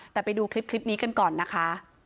แต่ไปดูคลิปนี้กันก่อนนะคะ